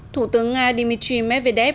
thủ tướng nga dmitry medvedev